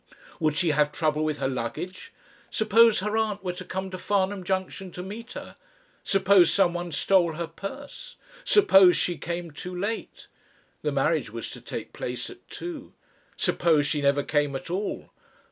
Would she have trouble with her luggage? Suppose her aunt were to come to Farnham Junction to meet her? Suppose someone stole her purse? Suppose she came too late! The marriage was to take place at two.... Suppose she never came at all!